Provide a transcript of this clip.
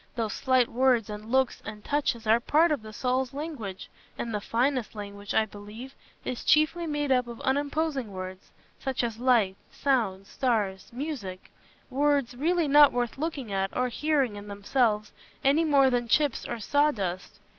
Those slight words and looks and touches are part of the soul's language; and the finest language, I believe, is chiefly made up of unimposing words, such as "light," "sound," "stars," "music"—words really not worth looking at, or hearing, in themselves, any more than "chips" or "sawdust."